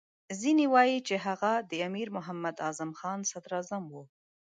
ځینې وایي چې هغه د امیر محمد اعظم خان صدراعظم وو.